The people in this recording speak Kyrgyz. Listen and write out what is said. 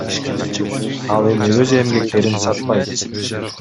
Ал эми өз эмгектерин сатпайт.